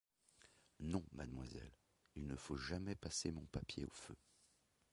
Non, mademoiselle ; il ne faut jamais passer mon papier au feu.